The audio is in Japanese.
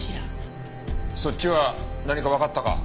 そっちは何かわかったか？